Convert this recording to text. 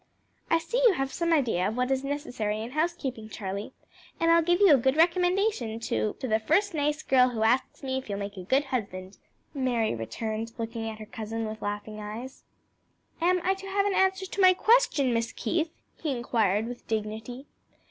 "I see you have some idea of what is necessary in housekeeping, Charlie, and I'll give you a good recommendation to the first nice girl who asks me if you'll make a good husband," Mary returned, looking at her cousin with laughing eyes. "Am I to have an answer to my question, Miss Keith?" he inquired with dignity.